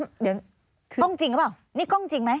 เดี๋ยวกล้องจริงหรือเปล่านี่กล้องจริงไหม